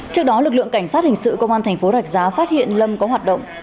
trước đó lực lượng cảnh sát hình sự công an thành phố rạch giá phát hiện lâm có hoạt động